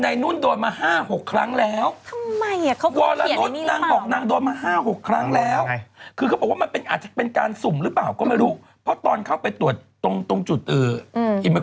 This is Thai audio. อ้าวนั่นคือรอบนั้นเขาถูกกันหมด